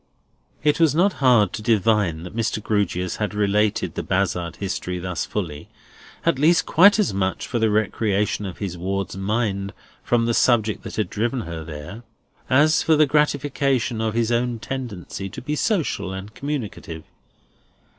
It was not hard to divine that Mr. Grewgious had related the Bazzard history thus fully, at least quite as much for the recreation of his ward's mind from the subject that had driven her there, as for the gratification of his own tendency to be social and communicative.